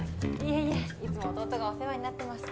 いつも弟がお世話になってます